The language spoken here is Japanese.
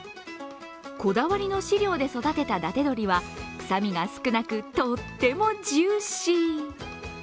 こだわりの飼料で育てた伊達鶏は臭みが少なくとってもジューシー。